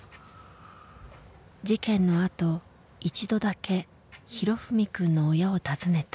事件のあと一度だけ裕史くんの親を訪ねた。